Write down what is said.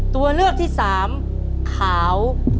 ตัวเลือกที่สามขาว